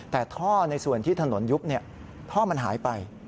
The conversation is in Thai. แต่ท่อในส่วนที่ถนนยุบท่อมันหายไป